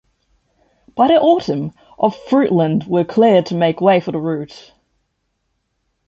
By the autumn, of fruitland were cleared to make way for the route.